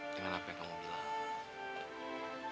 dengan apa yang kamu bilang